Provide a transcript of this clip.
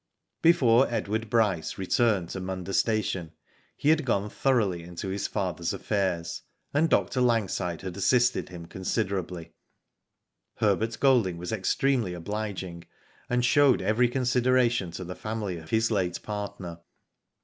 Before Edward Bryce returned to Munda station, he had gone thoroughly into his father's afFairs, and Dr. Langside had assisted him considerably. Herbert Golding was extremely obliging, and showed every consideration to the family of his late partner.